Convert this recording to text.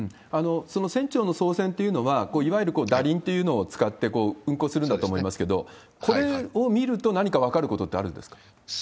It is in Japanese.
その船長の操船というのは、いわゆる舵輪っていうのを使って、運航するんだと思うんですけれども、これを見ると、何か分かることってあるんですか？